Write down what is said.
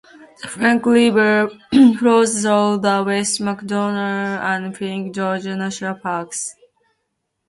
The Finke River flows through the West MacDonnell and Finke Gorge National Parks.